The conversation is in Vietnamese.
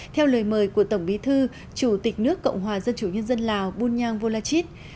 theo lời mời của tổng bí thư chủ tịch nước cộng hòa dân chủ nhân dân lào bunyang volachit